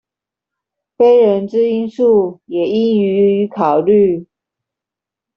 非人之因素也應予以考慮